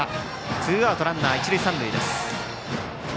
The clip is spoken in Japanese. ツーアウトランナー、一塁三塁。